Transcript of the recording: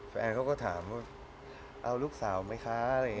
แฟนเขาก็ถามว่าเอาลูกสาวไหมคะ